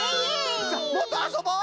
さあもっとあそぼう！